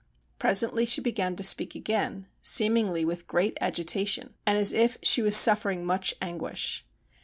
Presently she began to speak again, seemingly with great agitation, and as if she was suffering much anguish.